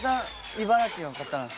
茨城の方なんですか？